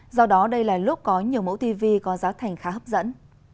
do đó đây là lúc có nhiều mẫu tv có giá thành khá hấp dẫn